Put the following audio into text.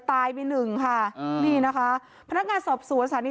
ตายไปหนึ่งค่ะอ่านี่นะคะพนักงานสอบสวนสถานี